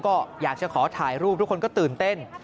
ก็อยากจะขอถ่ายรูปทุกคนก็ตื่นเต้น